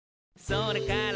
「それから」